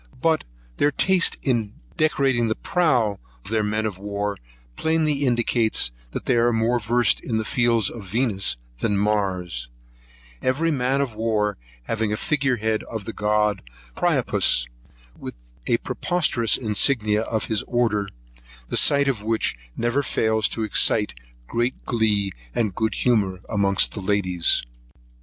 But their taste in decorating the prow of their men of war, plainly indicates they are more versed in the fields of Venus than Mars, every man of war having a figure head of the god Priapus, with a preposterous insignia of his order; the sight of which never fails to excite great glee and good humour amongst the ladies.